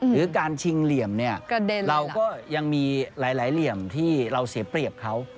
หรือการชิงเหลี่ยมเนี่ยเราก็ยังมีหลายเหลี่ยมที่เราเสียเปรียบเขา